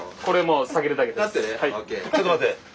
これもう下げるだけです。